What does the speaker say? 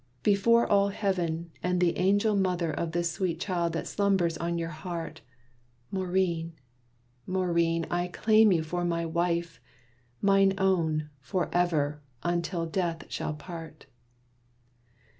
"Before all heaven and the angel mother Of this sweet child that slumbers on your heart, Maurine, Maurine, I claim you for my wife Mine own, forever, until death shall part!"